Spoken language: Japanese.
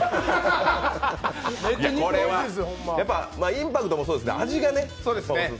インパクトもそうですけど、味がね。